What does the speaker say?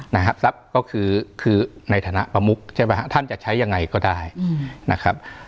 นะครับทรัพย์ก็คือคือในฐานะประมุกใช่ไหมฮะท่านจะใช้ยังไงก็ได้นะครับ